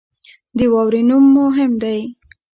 د واورې نوم مهم دی.